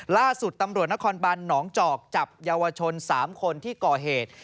ล่าสุดตำรวจนครบันหนองจอกจับเยาวชน๓คนที่ก่อเหตุ